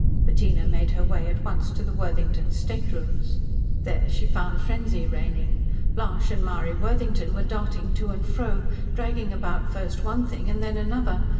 Bettina made her way at once to the Worthingtons' staterooms. There she found frenzy reigning. Blanche and Marie Worthington were darting to and fro, dragging about first one thing and then another.